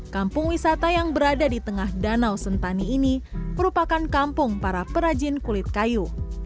kampung wisata yang berada di tengah danau sentani ini merupakan kampung para perajin kulit kayu